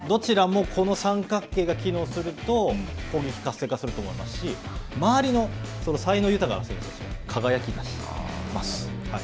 どちらもこの三角形が機能すると攻撃が活性化すると思いますし、周りの才能豊かな選手も輝き出します。